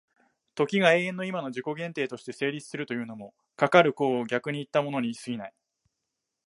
時が永遠の今の自己限定として成立するというのも、かかる考を逆にいったものに過ぎない。